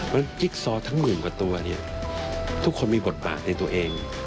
เพราะฉะนั้นจิ๊กซอทั้งหมื่นกว่าตัวเนี่ยทุกคนมีบทบาทในตัวเอง